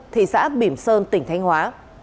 thị xã bỉm sơn tỉnh thanh hóa